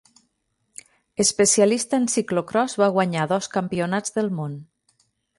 Especialista en ciclocròs, va guanyar dos Campionats del món.